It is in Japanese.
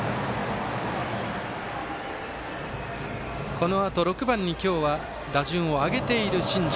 このあと６番に今日は打順を上げている新城。